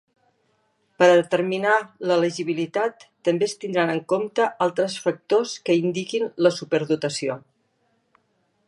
Per a determinar l'elegibilitat, també es tindran en compte altres factors que indiquin la superdotació.